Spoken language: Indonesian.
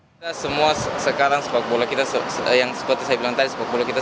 kita semua sekarang sepak bola kita yang seperti saya bilang tadi sepak bola kita